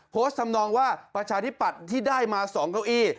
ทำนองว่าประชาธิปัตย์ที่ได้มา๒เก้าอี้